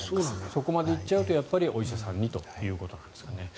そこまで行っちゃうとやっぱりお医者さんにということなんですかね。